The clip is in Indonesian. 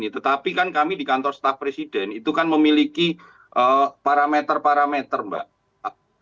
tetapi kan kami di kantor staf presiden itu kan memiliki parameter parameter mbak